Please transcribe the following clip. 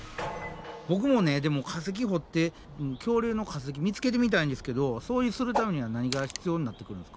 ボクもねでも化石掘って恐竜の化石見つけてみたいんですけどそうするためには何が必要になってくるんですか？